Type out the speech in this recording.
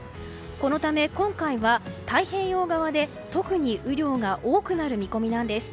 このため、今回は太平洋側で特に雨量が多くなる見込みです。